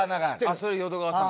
あっそれ淀川さん？